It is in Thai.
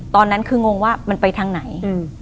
ตอนนั้นคืองงว่ามันไปทางไหน